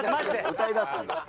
歌いだすんだ。